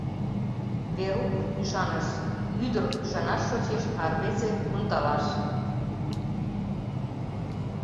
Верук ӱшаныш: ӱдыр ӱшанаш шочеш, а рвезе — ондалаш.